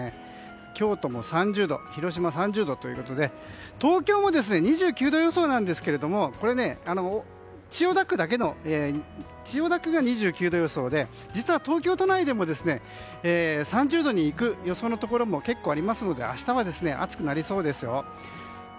京都も３０度広島３０度ということで東京も２９度予想なんですが千代田区が２９度予想で実は東京都内でも３０度にいく予想のところも結構ありますので明日は暑くなりそうですよ。